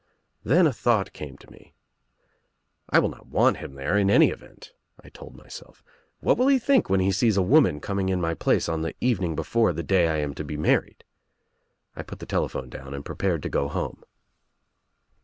"Then a thought came to me. *I will not want him there in any event,' I told myself. 'What will he think when he sees a woman coming in.my place on the evening before the day I am to be married?' I put the telephone down and prepared to go home.